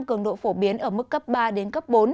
cường độ phổ biến ở mức cấp ba bốn